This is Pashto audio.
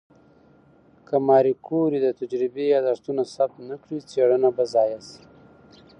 که ماري کوري د تجربې یادښتونه ثبت نه کړي، څېړنه به ضایع شي.